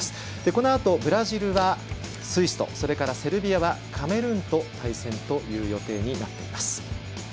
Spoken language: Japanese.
このあとブラジルはスイスとセルビアはカメルーンと対戦という予定になっています。